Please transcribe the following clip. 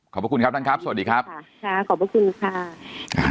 ขอบคุณครับท่านครับสวัสดีครับค่ะขอบพระคุณค่ะ